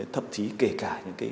thậm chí kể cả